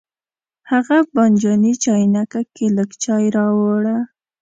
هغه بانجاني چاینکه کې لږ چای راوړه.